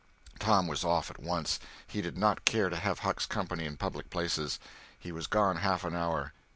Tom was off at once. He did not care to have Huck's company in public places. He was gone half an hour.